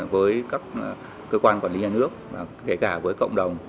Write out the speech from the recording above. với các cơ quan quản lý nhà nước kể cả với cộng đồng